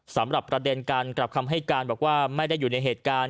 สำหรับประเด็นการกลับคำให้การบอกว่าไม่ได้อยู่ในเหตุการณ์